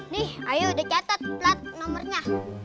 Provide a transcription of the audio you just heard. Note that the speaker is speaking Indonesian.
nih ayo udah catet plat nomernya